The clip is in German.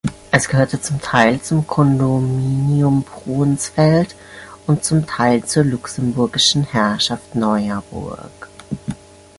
Es gehörte zum Teil zum Kondominium Pronsfeld und zum Teil zur luxemburgischen Herrschaft Neuerburg.